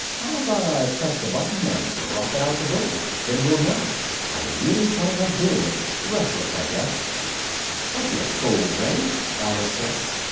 "How about I press the button and drop it out the door? Then we'll know." I really felt like doing it restless, I guess. "Don't be a fool, Ray," Alice said.